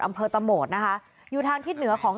อำเภอตะโหมดนะคะอยู่ทางทิศเหนือของ